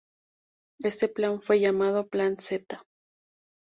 Este plan fue llamado Plan Zeta.